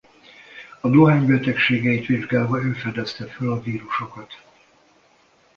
A dohány betegségeit vizsgálva ő fedezte fel a vírusokat.